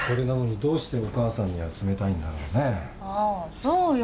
ああそうよ。